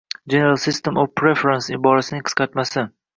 «General System of Preferences» iborasining qisqartmasi.